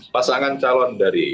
pasangan calon dari